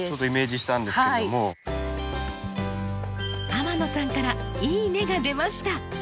天野さんから「いいね」が出ました。